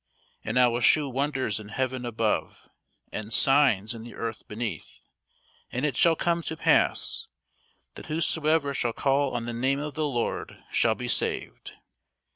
And I will shew wonders in heaven above, and signs in the earth beneath; and it shall come to pass, that whosoever shall call on the name of the Lord shall be saved.